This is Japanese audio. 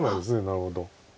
なるほど。